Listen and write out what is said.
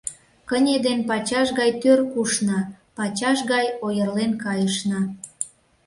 Кыне ден пачаш гай тӧр кушна, пачаш гай ойырлен кайышна.